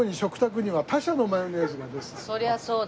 そりゃそうだ。